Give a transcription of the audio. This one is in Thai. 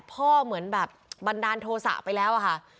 เหมือนแบบบันดาลโทษะไปแล้วอะค่ะ